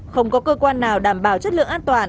không có cơ quan nào đảm bảo chất lượng an toàn